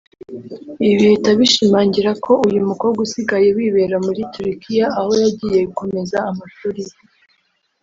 ibi bihita bishimangira ko uyu mukobwa usigaye wibera muri Turikiya aho yagiye gukomeza amashuri ye